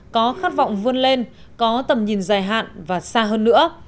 có khát vọng vươn lên có tầm nhìn dài hạn và xa hơn nữa